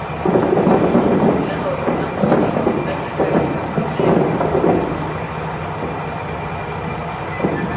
kwa kuwapa silaha Waislamu wenye itikadi kali kama vile huko Palestina